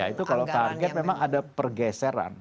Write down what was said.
itu kalau target memang ada pergeseran